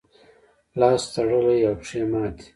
لاس تړلی او پښې ماتې.